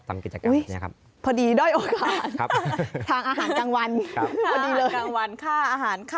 สนุนโดยอีซุสุข